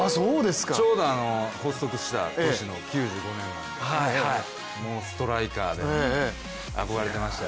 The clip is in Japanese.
ちょうど発足した年、９５年なんでもうストライカーで憧れてましたよ。